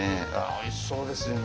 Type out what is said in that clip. おいしそうですね。